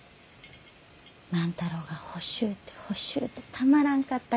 万太郎が欲しゅうて欲しゅうてたまらんかったがよ。